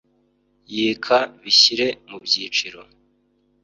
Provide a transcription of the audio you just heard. Yika bishyire mu byiciro